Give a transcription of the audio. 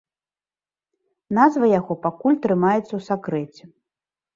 Назва яго пакуль трымаецца ў сакрэце.